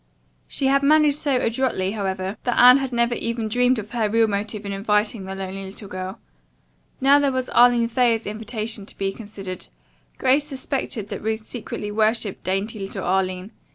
She had managed so adroitly, however, that Anne had never even dreamed of her real motive in inviting the lonely little girl. Now, there was Arline Thayer's invitation to be considered. Grace suspected that Ruth secretly worshipped dainty little Arline.